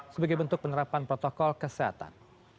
sebagai bentuk penerapan protokol kesehatan